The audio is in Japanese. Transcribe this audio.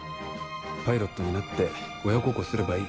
パイロットになって親孝行すればいい。